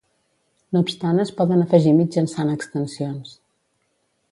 No obstant es poden afegir mitjançant extensions.